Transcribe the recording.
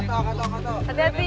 eh bawanya pelan pelan